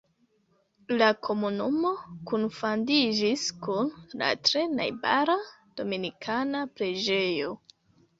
La komunumo kunfandiĝis kun la tre najbara Dominikana preĝejo.